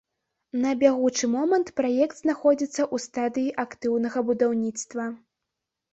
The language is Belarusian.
На бягучы момант праект знаходзіцца ў стадыі актыўнага будаўніцтва.